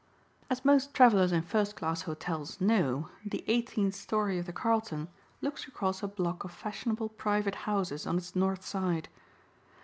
As most travelers in first class hotels know, the eighteenth story of the Carlton looks across a block of fashionable private houses on its north side.